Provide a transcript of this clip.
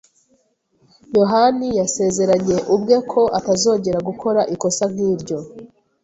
[S] yohani yasezeranye ubwe ko atazongera gukora ikosa nk'iryo.